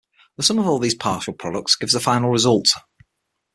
The sum of all these partial products gives the final result.